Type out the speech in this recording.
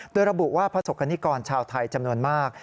โดยระบุว่าประสบกรณิกรชาวไทยจำนวนมาก